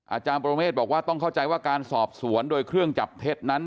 อาจารย์ปรเมฆบอกว่าต้องเข้าใจว่าการสอบสวนโดยเครื่องจับเท็จนั้น